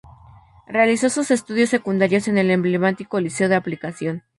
Realizó sus estudios secundarios en el emblemático Liceo de Aplicación.